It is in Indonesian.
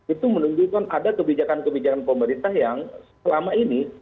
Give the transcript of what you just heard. itu menunjukkan ada kebijakan kebijakan pemerintah yang selama ini